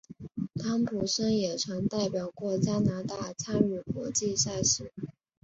汤普森也曾代表过加拿大参与国际赛事。